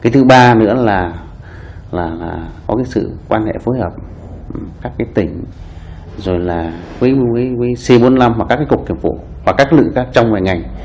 thứ ba có sự quan hệ phối hợp các tỉnh c bốn mươi năm các cục kiểm phủ các lực trong ngành